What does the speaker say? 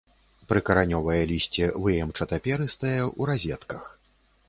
Прыкаранёвае лісце выемчата-перыстае, у разетках.